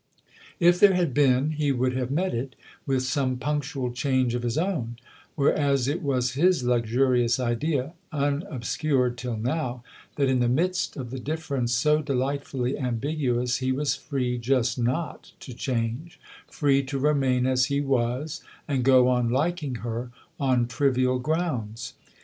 If there had been he would have met it with some punctual change of his own ; whereas it was his luxurious idea unob scured till now that in the midst of the difference so delightfully ambiguous he was free just not to change, free to remain as he was and go on liking her on trivial grounds.